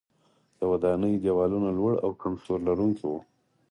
د ودانیو دیوالونه لوړ او کم سور لرونکي وو.